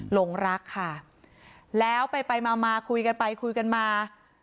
หลงรักค่ะแล้วไปไปมามาคุยกันไปคุยกันมา